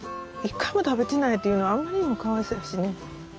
一回も食べてないっていうのはあんまりにもかわいそうやしね。